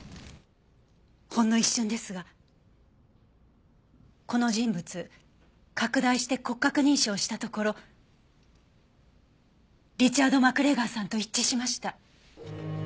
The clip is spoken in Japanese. ほんの一瞬ですがこの人物拡大して骨格認証したところリチャード・マクレガーさんと一致しました。